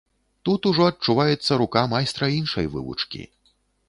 Тут ужо адчуваецца рука майстра іншай вывучкі.